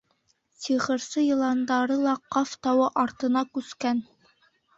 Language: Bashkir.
— Сихырсы йыландары ла Ҡаф тауы артына күскән.